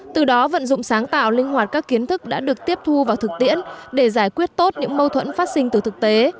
từ đó vận dụng sáng tạo linh hoạt các kiến thức đã được tiếp thu vào thực tiễn để giải quyết tốt những mâu thuẫn phát sinh từ thực tế